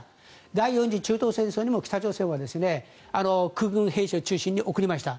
第４次中東戦争にも北朝鮮は空軍兵士を中心に送りました。